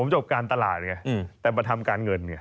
มันจบการตลาดแต่มันทำการเงิน